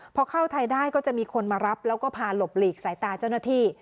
พอเข้าไทยได้ก็จะมีคนมารับแล้วก็พาหลบหลีกสายตาเจ้าหน้าที่